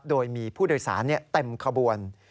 โดยมีผู้โดยสารเต็มขบวน